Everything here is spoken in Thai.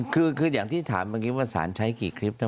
คืออย่างที่ถามเมื่อกี้ว่าสารใช้กี่คลิป